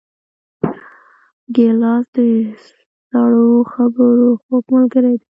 ګیلاس د سړو خبرو خوږ ملګری دی.